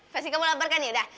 pasti kamu lapar kan yaudah